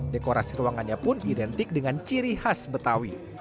dekorasi ruangannya pun identik dengan ciri khas betawi